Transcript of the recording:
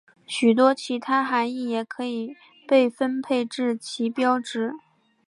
许多其他含意也可以被分配至旗标值。